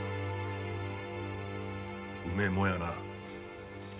うめえもんやな。